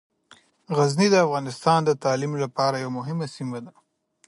غزني د افغانستان د تعلیم لپاره یوه مهمه سیمه ده.